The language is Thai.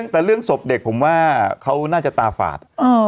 แต่เรื่องศพเด็กผมว่าเขาน่าจะตาฝาด